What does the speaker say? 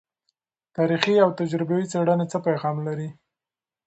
تاریخي او تجربوي څیړنې څه پیغام لري؟